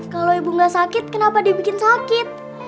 kalau ibu gak sakit kenapa dibikin sakit